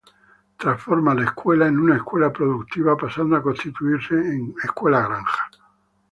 Transforma la escuela en una Escuela Productiva pasando a constituirse en Escuela Granja.